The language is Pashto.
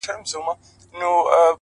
• هر ماښام به رنگ په رنگ وه خوراكونه,